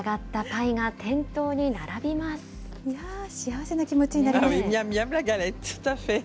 いや、幸せな気持ちになりますね。